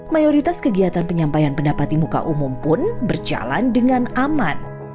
mayoritas kegiatan penyampaian pendapat di muka umum pun berjalan dengan aman